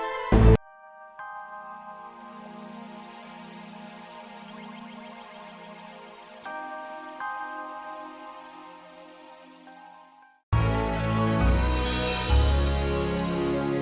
kamu sudah sampai jatuh